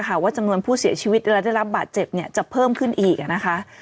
ว่าจำนวนผู้เสียชีวิตและได้รับบาดเจ็บเนี่ยจะเพิ่มขึ้นอีกนะคะ